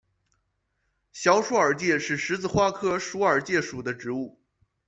小鼠耳芥是十字花科鼠耳芥属的植物。